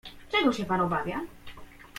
"Czego się pan obawia?"